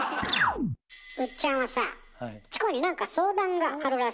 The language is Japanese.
ウッチャンはさチコに何か相談があるらしいわね。